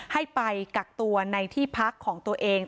ให้ไปกักตัวในที่พักของตัวเอง